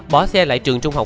bỏ xe lại trường trung học